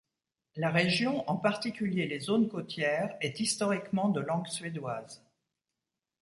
La région, en particulier les zones côtières, est historiquement de langue suédoise.